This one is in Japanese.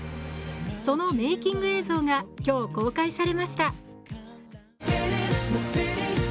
そのメーキング映像が今日公開されました。